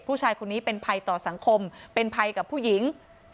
ผู้ชายคนนี้เป็นภัยต่อสังคมเป็นภัยกับผู้หญิง